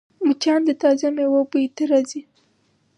مچان د تازه میوو بوی ته راځي